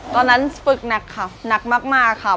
ตอนนั้นฝึกหนักค่ะหนักมากค่ะ